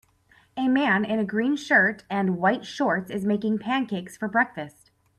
A man in a green shirt and white shorts is making pancakes for breakfast.